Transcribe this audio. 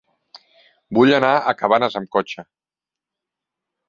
Vull anar a Cabanes amb cotxe.